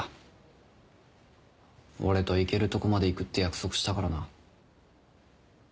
俺といけるとこまでいくって約束したからな。